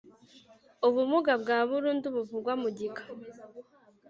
Ubumuga bwa burundu buvugwa mu gika